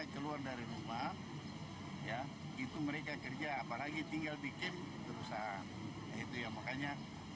tuntutan dari keluarga apa yang pantas gitu ya